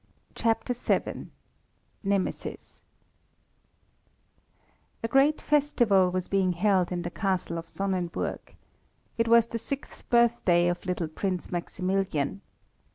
CHAPTER VII NEMESIS A great festival was being held in the Castle of Sonnenburg. It was the sixth birthday of little Prince Maximilian.